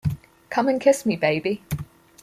Come and kiss me, baby.